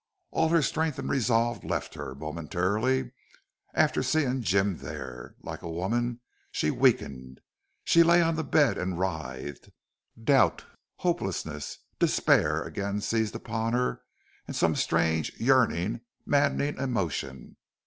All her strength and resolve left her, momentarily, after seeing Jim there. Like a woman, she weakened. She lay on the bed and writhed. Doubt, hopelessness, despair, again seized upon her, and some strange, yearning maddening emotion.